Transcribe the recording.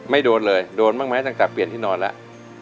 โดนเลยโดนบ้างไหมตั้งแต่เปลี่ยนที่นอนแล้ว